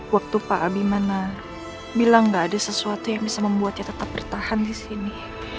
waktu pak abimana bilang tidak ada sesuatu yang bisa membuatnya tetap bertahan disini